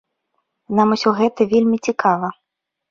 Нам усё гэта вельмі цікава.